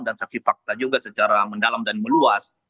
dan saksi fakta juga secara mendalam dan meluas